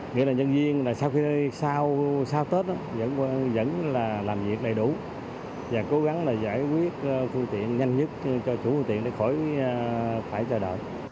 nghĩa là nhân viên sau tết vẫn là làm việc đầy đủ và cố gắng là giải quyết phương tiện nhanh nhất cho chủ phương tiện